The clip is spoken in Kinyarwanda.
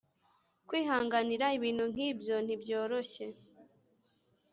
Kwihanganira ibintu nk’ibyo ntibyoroshye